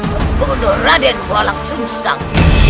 membunuh raden walang sungsang